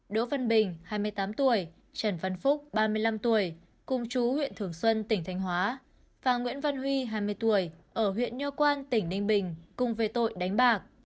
đỗ văn bình hai mươi tám tuổi trần văn phúc ba mươi năm tuổi cùng chú huyện thường xuân tỉnh thanh hóa và nguyễn văn huy hai mươi tuổi ở huyện nho quang tỉnh ninh bình cùng về tội đánh bạc